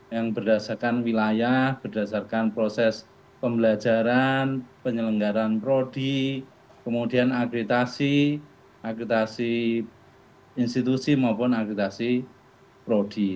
yang berdasarkan wilayah berdasarkan proses pembelajaran penyelenggaran prodi kemudian akritasi institusi maupun akritasi prodi